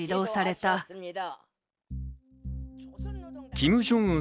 キム・ジョンウン